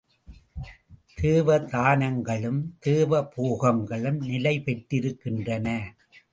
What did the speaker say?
தேவதானங்களும், தேவ போகங்களும் நிலை பெற்றிருக்கின்றன.